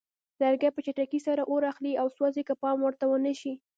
لرګي په چټکۍ سره اور اخلي او سوځي که پام ورته ونه شي.